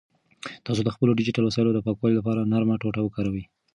تاسو د خپلو ډیجیټل وسایلو د پاکوالي لپاره نرمه ټوټه وکاروئ.